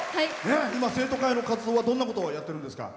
今、生徒会の活動はどんなことをやってるんですか？